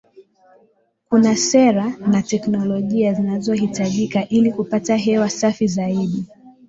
kuna sera na teknolojiazinazohitajika ili kupata hewa safi zaidi